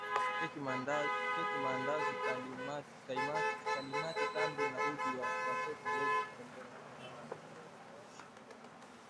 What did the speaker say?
Keki Maandazi Kalimati tambi na uji wa watoto huweza kutengenezwa kutokana na viazi lishe